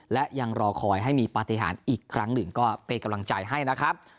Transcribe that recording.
และยังรอคอยให้มีปฏิหารอีกครั้งหนึ่งก็เป็นกำลังใจให้นะครับ